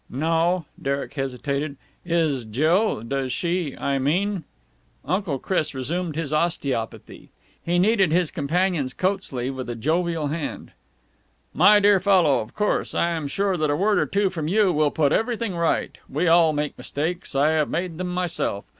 "No." Derek hesitated. "Is Jill.... Does she.... I mean...." Uncle Chris resumed his osteopathy. He kneaded his companion's coat sleeve with a jovial hand. "My dear fellow, of course! I am sure that a word or two from you will put everything right. We all make mistakes. I have made them myself.